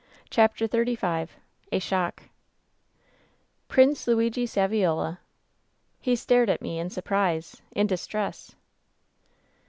CHAPTER XXXV A SHOCK " 'Prince Luigi Saviola.' "He stared at me in surprise, in distress.